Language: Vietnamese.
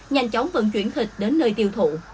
nhanh chóng vận chuyển thịt đến nơi tiêu thụ